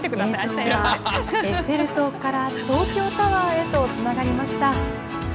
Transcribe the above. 映像はエッフェル塔から東京タワーへとつながりました。